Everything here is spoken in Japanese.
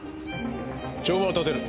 帳場を立てる。